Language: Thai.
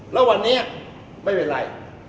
แล้ววันนี้ไม่เป็นไร